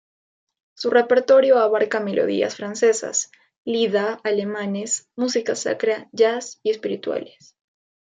Su repertorio abarca melodías francesas, lieder alemanes, música sacra, jazz y espirituales.